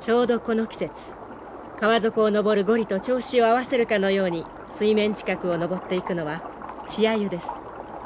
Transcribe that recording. ちょうどこの季節川底を上るゴリと調子を合わせるかのように水面近くを上っていくのは稚アユです。